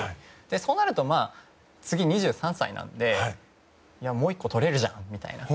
そうなると、次２３歳なのでもう１個とれるじゃんみたいな。